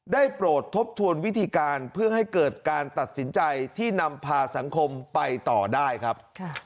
โปรดทบทวนวิธีการเพื่อให้เกิดการตัดสินใจที่นำพาสังคมไปต่อได้ครับ